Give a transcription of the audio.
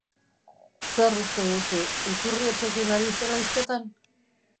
Zer uste duzu, Iturriotzekin ari zela hizketan?